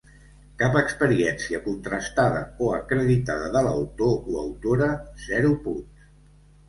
Cap experiència contrastada o acreditada de l'autor o autora: zero punts.